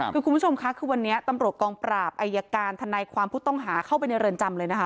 คือคุณผู้ชมค่ะคือวันนี้ตำรวจกองปราบอายการทนายความผู้ต้องหาเข้าไปในเรือนจำเลยนะคะ